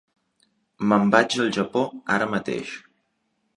Me'n vaig al Japó ara mateix.